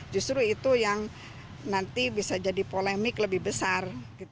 justru itu yang nanti bisa jadi polemik lebih besar